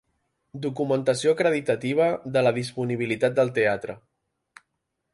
Documentació acreditativa de la disponibilitat del teatre.